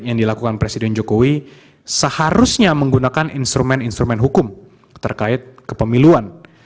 yang dilakukan presiden jokowi seharusnya menggunakan instrumen instrumen hukum terkait kepemiluan